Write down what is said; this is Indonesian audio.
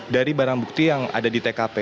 dari barang bukti yang ada di tkp